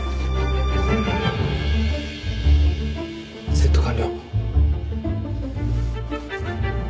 セット完了。